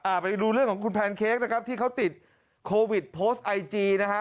ไปดูเรื่องของคุณแพนเค้กนะครับที่เขาติดโควิดโพสต์ไอจีนะฮะ